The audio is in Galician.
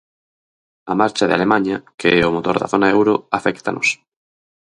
A marcha de Alemaña, que é o motor da zona euro, aféctanos.